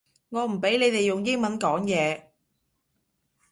我唔畀你哋用英文講嘢